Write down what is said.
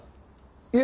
いえ